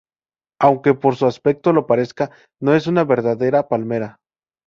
Aunque por su aspecto lo parezca, no es una verdadera palmera.